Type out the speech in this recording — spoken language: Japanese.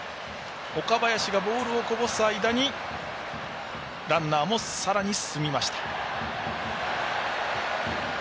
岡林がボールをこぼす間にランナーもさらに進みました。